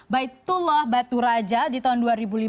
pemilihan raja di tahun dua ribu lima belas